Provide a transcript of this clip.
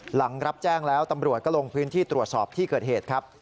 หลังรับแจ้งแล้วตำรวจก็ลงพื้นที่ตรวจสอบที่เกิดเหตุครับ